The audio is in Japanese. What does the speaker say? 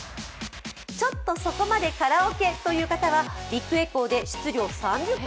ちょっとそこまでカラオケという人はビッグエコーで室料３０％。